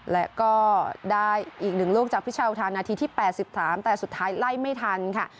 แล้วก็ได้อีกหนึ่งลูกจากพิชาวทางนาทีที่แปดสิบสามแต่สุดท้ายไล่ไม่ทันค่ะ